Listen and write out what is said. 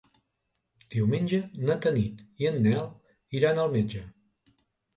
Diumenge na Tanit i en Nel iran al metge.